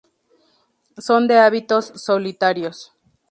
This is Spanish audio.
Son de hábitos solitarios.